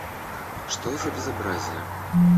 Что за безобразие!